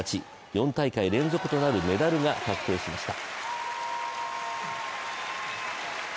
４大会連続となるメダルが確定しました。